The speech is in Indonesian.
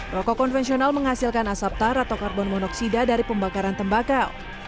rokok konvensional menghasilkan asap tar atau karbon monoksida dari pembakaran tembakau